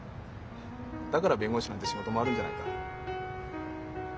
だから弁護士なんて仕事もあるんじゃないか。